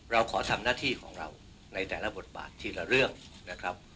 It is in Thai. เราขอทำหน้าที่ของเราในแต่ละบทบาททีละเรื่องนะครับ